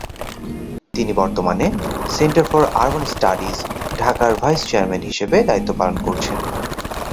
তিনি বর্তমানে centre for urban studies, ঢাকার ভাইস চেয়ারম্যান হিসাবে দায়িত্ব পালন করছেন।